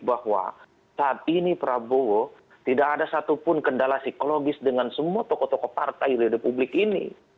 bahwa saat ini prabowo tidak ada satupun kendala psikologis dengan semua tokoh tokoh partai di republik ini